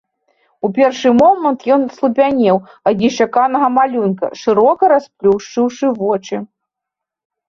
У першы момант ён аслупянеў ад нечаканага малюнка, шырока расплюшчыўшы вочы.